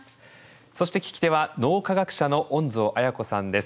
そして聞き手は脳科学者の恩蔵絢子さんです。